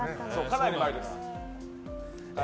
かなり前です。